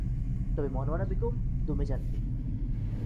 তবে মনোয়ারা বেগম দমে যাননি।